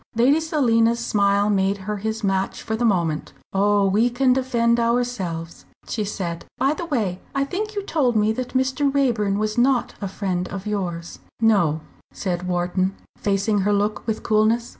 Lady Selina's smile made her his match for the moment. "Oh! we can defend ourselves!" she said. "By the way I think you told me that Mr. Raeburn was not a friend of yours." "No," said Wharton, facing her look with coolness.